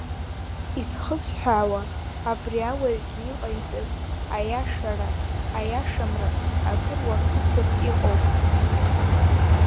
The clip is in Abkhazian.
Изхысҳәаауа, абри ауаҩгьы иҟаиҵаз аиашара-аиашамра акыр уархәыцыртә иҟоуп.